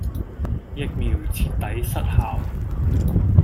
疫苗徹底失效